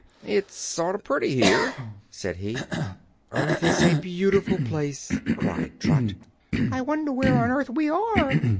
"It's sort o' pretty here," said he. "Earth is a beautiful place!" cried Trot. "I wonder where on earth we are?"